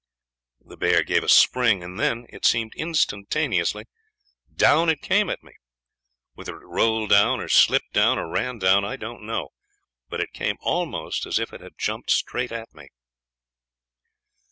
The bear gave a spring, and then it seemed instantaneous down it came at me. Whether it rolled down, or slipped down, or ran down, I don't know, but it came almost as if it had jumped straight at me.